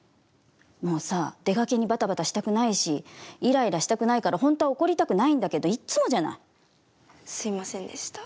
もうさ、出がけにばたばたしたくないしイライラしたくないから本当は怒りたくないんだけどすいませんでした。